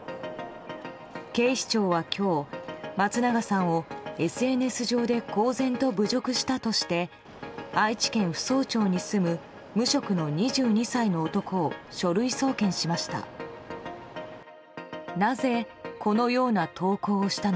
警視庁は今日、松永さんをＳＮＳ上で公然と侮辱したとして愛知県扶桑町に住む無職の２２歳の男を書類送検しました。